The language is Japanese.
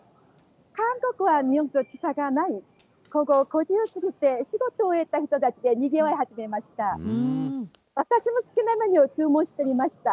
韓国は日本と時差がない、ここ、５時を過ぎて、仕事を終えた人たちでにぎわい始めました。